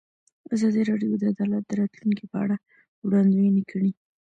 ازادي راډیو د عدالت د راتلونکې په اړه وړاندوینې کړې.